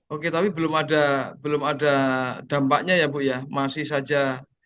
oke tapi belum ada dampaknya ya bu ya masih saja